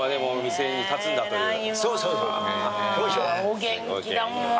お元気だもん。